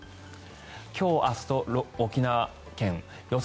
今日明日と沖縄県予想